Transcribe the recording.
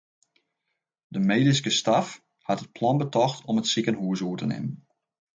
De medyske stêf hat in plan betocht om it sikehús oer te nimmen.